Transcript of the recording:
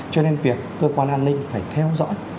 cho nên việc cơ quan an ninh phải theo dõi